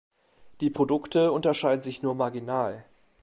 Die Produkte unterscheiden sich nur marginal.